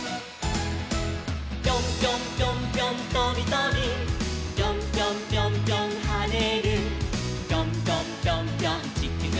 「ぴょんぴょんぴょんぴょんとびとび」「ぴょんぴょんぴょんぴょんはねる」「ぴょんぴょんぴょんぴょんちきゅうを」